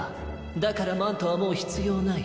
だからマントはもうひつようない。